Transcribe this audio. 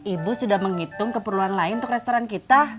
ibu sudah menghitung keperluan lain untuk restoran kita